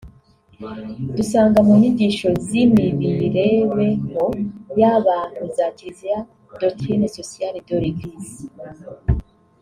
dusanga mu nyigisho z’imibirebeho y’abantu za Kiliziya (Doctrine sociale de l’Eglise)